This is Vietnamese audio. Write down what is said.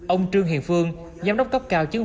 ông trương hiền phương giám đốc cấp cao chứng